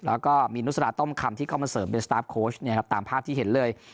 แล้วก็มีนุษฎาต้อมคำที่เข้ามาเสริมเป็นสตาร์ฟโค้ชตามภาพที่เห็นเลย